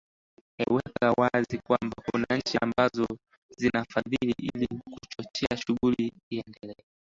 eweka wazi kwamba kuna nchi ambazo zinafadhili ili kuchochea shughuli iendelee